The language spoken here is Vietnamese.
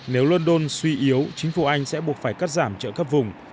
nếu london suy yếu chính phủ anh sẽ buộc phải cắt giảm trợ cấp vùng